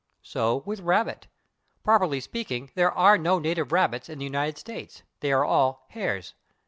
So with /rabbit/. Properly speaking, there are no native rabbits in the United States; they are all hares.